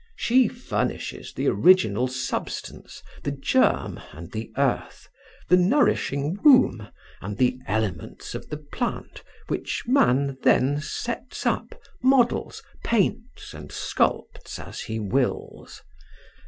She furnishes the original substance, the germ and the earth, the nourishing womb and the elements of the plant which man then sets up, models, paints, and sculpts as he wills.